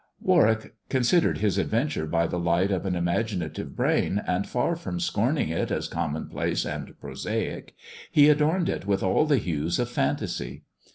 Warwick considered his adventure by the light of an imaginative brain, and far from scorning it as common place and prosaic, he adorned it with all the hues of fantasy.